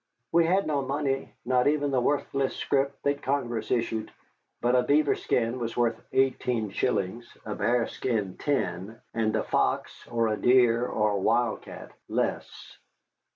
We had no money, not even the worthless scrip that Congress issued; but a beaver skin was worth eighteen shillings, a bearskin ten, and a fox or a deer or a wildcat less.